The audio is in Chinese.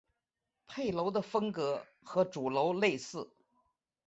配楼的风格和主楼类似。